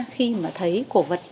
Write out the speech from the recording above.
khi mà thấy cổ vật